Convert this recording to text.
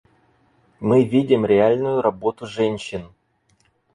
Мы видим реальную работу женщин.